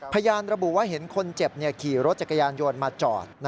พยานระบุว่าเห็นคนเจ็บขี่รถจักรยานยนต์มาจอด